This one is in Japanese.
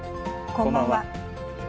こんばんは。